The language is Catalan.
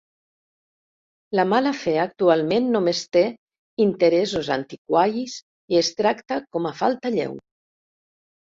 La mala fe actualment només té interessos antiquaris i es tracta com a falta lleu.